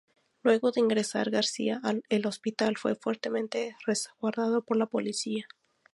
Luego de ingresar García, el hospital fue fuertemente resguardado por la policía.